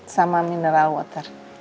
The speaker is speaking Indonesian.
sama mineral water